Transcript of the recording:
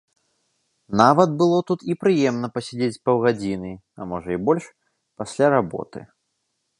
Нават было тут і прыемна пасядзець з паўгадзіны, а можа і больш, пасля работы.